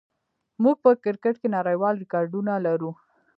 موږ په کرکټ کې نړیوال ریکارډونه لرو.